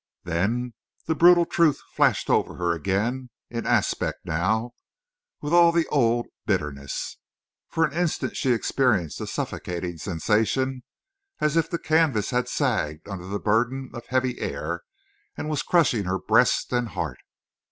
Then the brutal truth flashed over her again, in aspect new, with all the old bitterness. For an instant she experienced a suffocating sensation as if the canvas had sagged under the burden of heavy air and was crushing her breast and heart.